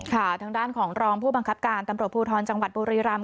ทางด้านของรองผู้บังคับการตำรวจภูทรจังหวัดบุรีรำ